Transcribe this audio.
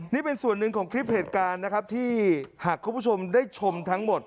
นี่เป็นส่วนหนึ่งของคลิปเหตุการณ์นะครับที่หากคุณผู้ชมได้ชมทั้งหมด